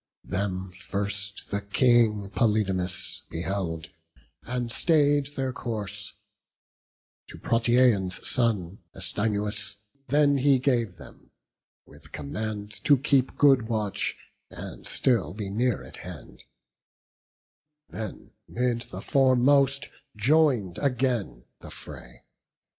Them first the King Polydamas beheld, And stay'd their course; to Protiaon's son, Astynous, then he gave them, with command To keep good watch, and still be near at hand; Then 'mid the foremost join'd again the fray.